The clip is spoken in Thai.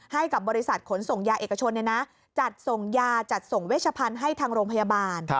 ให้กับบริษัทขนส่งยาเอกชนจัดส่งยาจัดส่งเวชพันธุ์ให้ทางโรงพยาบาล